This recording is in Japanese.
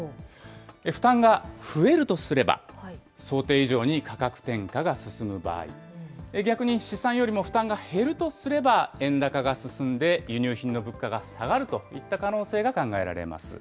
負担が増えるとすれば、想定以上に価格転嫁が進む場合、逆に試算よりも負担が減るとすれば、円高が進んで輸入品の物価が下がるといった可能性が考えられます。